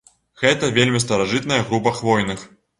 Гэта вельмі старажытная група хвойных.